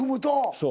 そう。